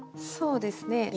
そうですね。